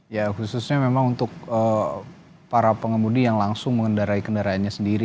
ya khususnya memang untuk para pengemudi yang langsung mengendarai kendaraannya sendiri